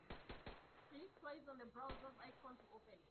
Click twice on the browser's icon to open it.